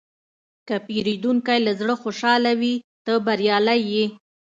که پیرودونکی له زړه خوشحاله وي، ته بریالی یې.